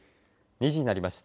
２時になりました。